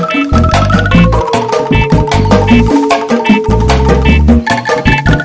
medications api disengroom dan kamu sudah mengendalikan agent karantina